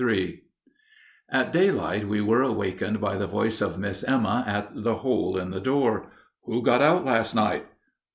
] At daylight we were awakened by the voice of Miss Emma at the hole in the door. "Who got out last night?"